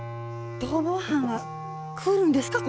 逃亡犯は来るんですか？